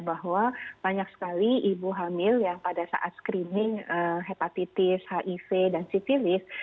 bahwa banyak sekali ibu hamil yang pada saat screening hepatitis hiv dan sivilis